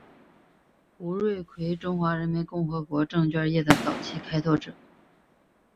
胡瑞荃中华人民共和国证券业的早期开拓者。